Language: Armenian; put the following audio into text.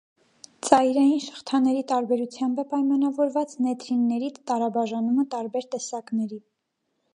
Ծայրային շղթաների տարբերությամբ է պայամանվորված նեթրինների տարաբաժանումը տարբեր տեսակների։